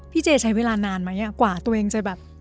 พี่เจ๊ใช้เวลานานไหมอะก่อตัวเองไป